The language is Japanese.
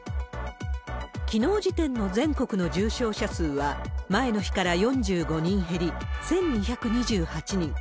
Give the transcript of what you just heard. きのう時点の全国の重症者数は、前の日から４５人減り、１２２８人。